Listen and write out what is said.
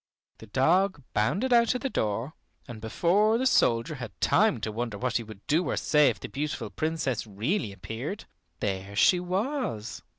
The dog bounded out of the door, and before the soldier had time to wonder what he would do or say if the beautiful Princess really appeared, there she was.